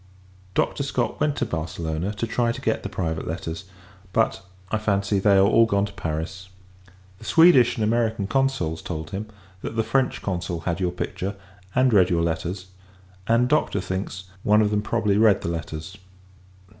Dr. Scott went to Barcelona, to try to get the private letters; but, I fancy, they are all gone to Paris. The Swedish and American Consuls told him, that the French Consul had your picture, and read your letters; and, Doctor thinks, one of them probably read the letters.